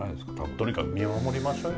とにかく見守りましょうよ。